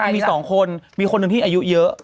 มี๒คนมีคนหนึ่งที่อายุเยอะ